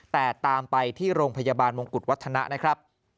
แต่ตามไปที่โรงพยาบาลมงกุฎวัฒนา